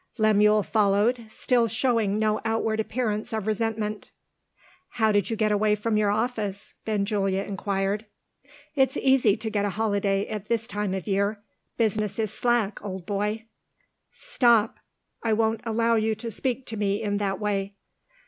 Lemuel followed, still showing no outward appearance of resentment. "How did you get away from your office?" Benjulia inquired. "It's easy to get a holiday at this time of year. Business is slack, old boy " "Stop! I don't allow you to speak to me in that way."